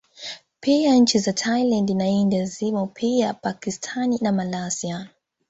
Pia nchi za Thailand na India zimo pia Pakistani na Malaysia